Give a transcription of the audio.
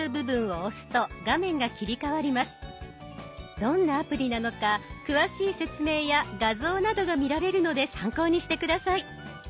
どんなアプリなのか詳しい説明や画像などが見られるので参考にして下さい。